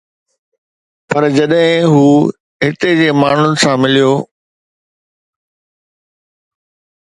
پر جڏهن هو هتي جي ماڻهن سان مليو